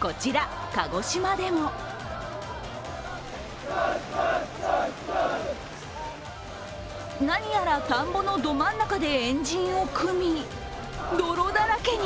こちら、鹿児島でも何やら田んぼのど真ん中で円陣を組み、泥だらけに。